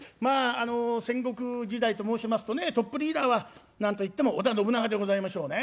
あの戦国時代と申しますとねトップリーダーは何と言っても織田信長でございましょうね。